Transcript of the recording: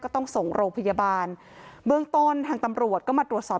ต้องส่งโรงพยาบาลเบื้องต้นทางตำรวจก็มาตรวจสอบ